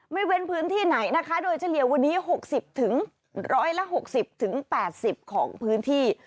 ไม่เป็นพื้นที่ไหนนะคะโดยเฉลี่ยวันนี้หกสิบถึงร้อยละหกสิบถึงแปดสิบของพื้นที่